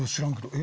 え？